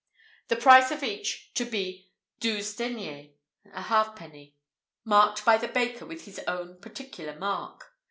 The price of each to be douze deniers (a halfpenny), marked by the baker with his own particular mark."